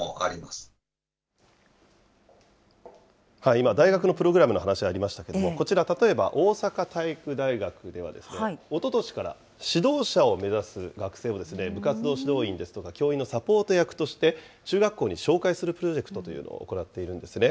今、大学のプログラムの話ありましたけれども、こちら、例えば大阪体育大学ではおととしから指導者を目指す学生を部活動指導員ですとか、教員のサポート役として、中学校に紹介するプロジェクトというのを行っているんですね。